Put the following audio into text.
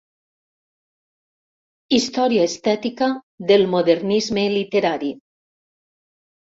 Història estètica del Modernisme literari.